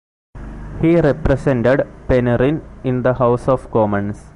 He represented Penryn in the House of Commons.